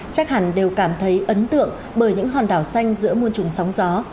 chắc hẳn đều cảm thấy ấn tượng bởi những hòn đảo xanh giữa muôn trùng sóng gió